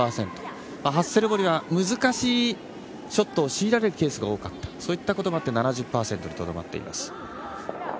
ハッセルボリは難しいショットを強いられるケースが多かったこともあって、７０％にとどまっています。